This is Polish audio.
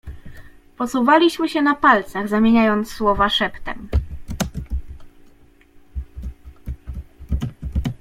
"Posuwaliśmy się na palcach, zamieniając słowa szeptem."